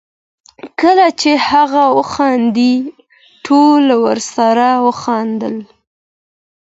کله چي هغه وخندېدی، ټولو ورسره وخندل.